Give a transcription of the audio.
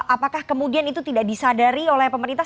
apakah kemudian itu tidak disadari oleh pemerintah